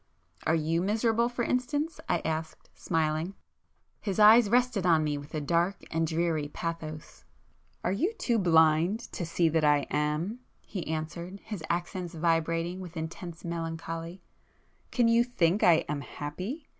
"Are you miserable, for instance?" I asked, smiling. His eyes rested on me with a dark and dreary pathos. "Are you too blind to see that I am?" he answered, his accents vibrating with intense melancholy—"Can you think I am happy?